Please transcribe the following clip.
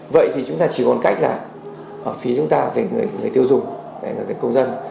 vậy thì chúng ta chỉ còn cách là phí chúng ta về người tiêu dùng về người công dân